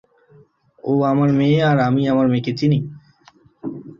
ও আমার মেয়ে আর আমি আমার মেয়েকে চিনি!